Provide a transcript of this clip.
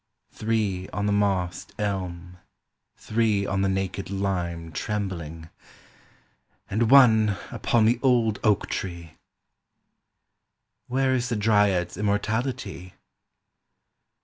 Three On the moss'd elm; three on the naked lime Trembling, and one upon the old oak tree! Where is the Dryad's immortality?